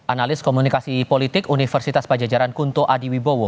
analis komunikasi politik universitas pajajaran kunto adiwibowo